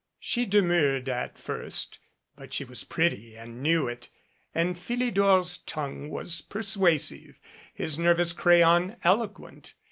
She demurred at first, but she was pretty and knew it, and Philidor's tongue was per^ suasive, his nervous crayon eloquent.